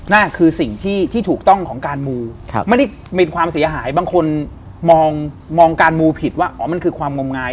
นั่นคือสิ่งที่ถูกต้องของการมูไม่ได้มีความเสียหายบางคนมองการมูผิดว่าอ๋อมันคือความงมงาย